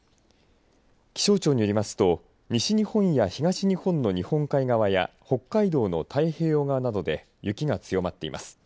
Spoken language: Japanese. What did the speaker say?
気象庁によりますと西日本や東日本の日本海側や北海道の太平洋側などで雪が強まっています。